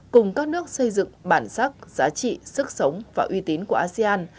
cùng các nước xây dựng bản sắc giá trị sức sống và uy tín của asean